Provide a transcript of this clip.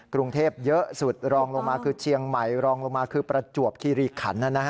กรุงเทพเยอะสุดรองลงมาคือเชียงใหม่รองลงมาคือประจวบคิริขัน